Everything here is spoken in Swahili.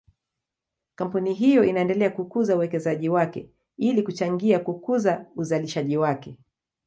Kampuni hiyo inaendelea kukuza uwekezaji wake ili kuchangia kukuza uzalishaji wake.